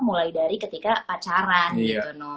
mulai dari ketika acara gitu